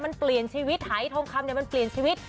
มันเปลี่ยนชีวิตหายทองคำเนี่ยมันเปลี่ยนชีวิต